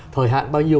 thời hạn bao nhiêu